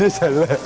biar sedikit lagi